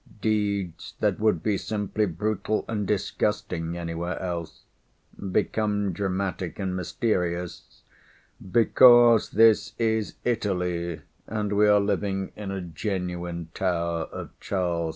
Deeds that would be simply brutal and disgusting anywhere else become dramatic and mysterious because this is Italy and we are living in a genuine tower of Charles V.